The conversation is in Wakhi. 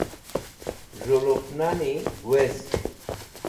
z̃hu lupnani wezg